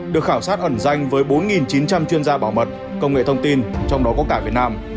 được khảo sát ẩn danh với bốn chín trăm linh chuyên gia bảo mật công nghệ thông tin trong đó có cả việt nam